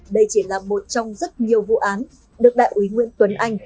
đây chỉ là một trong rất nhiều vụ án được đại úy nguyễn tuấn anh